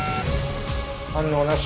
反応なし。